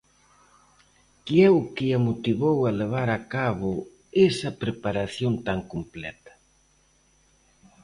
Que é o que a motivou a levar a cabo esa preparación tan completa?